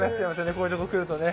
こういうとこ来るとね。